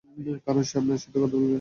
কারণ সে আপনার সাথে কথা বলবে।